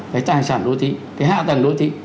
cái tài sản đô thị cái hạ tầng đô thị